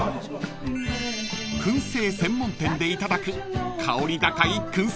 ［燻製専門店でいただく香り高い燻製